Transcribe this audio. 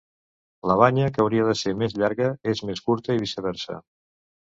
La banya que hauria de ser més llarga, és més curta, i viceversa.